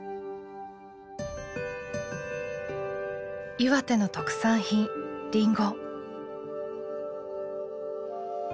岩手の特産品りんご。